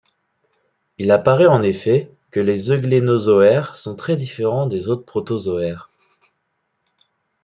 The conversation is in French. Il apparaît en effet que les euglénozoaires sont très différents des autres protozoaires.